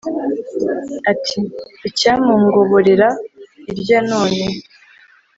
ati: “icyamungoborera irya none